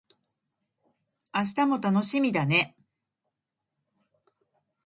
明日も楽しみだね